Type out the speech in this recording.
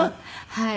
はい。